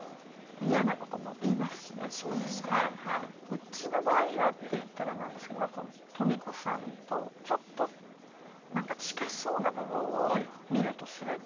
うちの場合はって言ったらなんですけど富子さんとちょっと何か近そうな部分を見るとすれば。